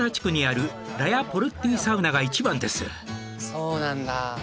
そうなんだ。